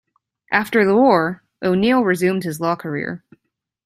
After the war, O'Neal resumed his law career.